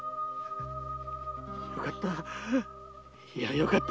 良かった。